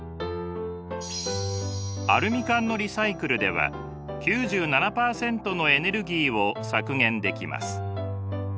アルミ缶のリサイクルでは９７％のエネルギーを削減できます。